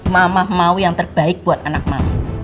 mama mau yang terbaik buat anak mama